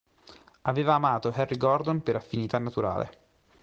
Aveva amato Harry Gordon per affinità naturale.